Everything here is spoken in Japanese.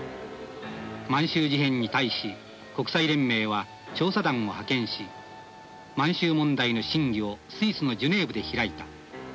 満州事変に対し国際連盟は調査団を派遣し満州問題の審議をスイスのジュネーブで開いた。